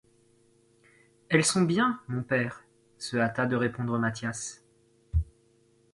Elles sont bien, mon père, se hâta de répondre Mathias.